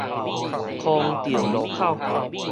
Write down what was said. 康定路口